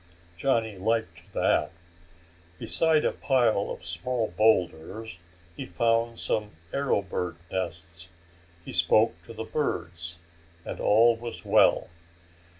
Johnny liked that. Beside a pile of small boulders, he found some arrow bird nests. He spoke to the birds and all was well.